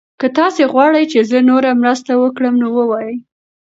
که تاسي غواړئ چې زه نوره مرسته وکړم نو ووایئ.